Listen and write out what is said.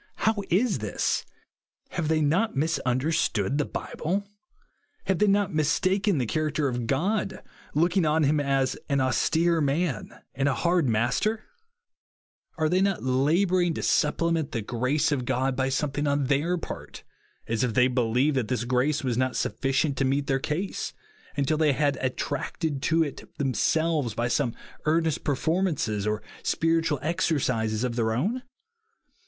How is this ? Have they not misunder stood the Bible ? Have they not mistaken the character of God, looking on him as ao "austere man" and a "hard master"? OUR RESTING PLACE. 29 Are tliey not labouring to supplement the gi'ace of God by something on their part, as if they believed that this grace was not sufficient to meet their case, until they had attracted it to themselves by some earnest performances, or spiritual exer cises, of their own